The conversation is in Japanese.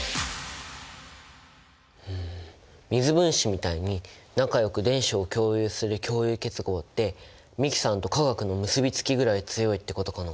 うん水分子みたいに仲よく電子を共有する共有結合って美樹さんと化学の結びつきぐらい強いってことかな。